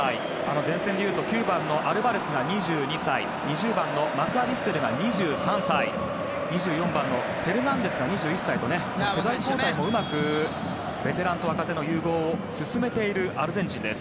前線で言うと９番のアルバレスが２２歳２０番のマクアリステルが２３歳２４番のフェルナンデスが２１歳と世代交代もうまくベテランと若手の融合を進めているアルゼンチンです。